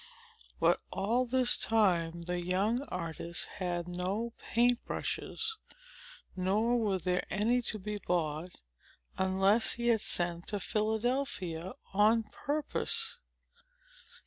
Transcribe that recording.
But, all this time, the young artist had no paint brushes, nor were there any to be bought, unless he had sent to Philadelphia on purpose.